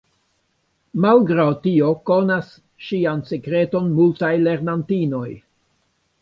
Malgraŭ tio konas ŝian sekreton multaj lernantinoj.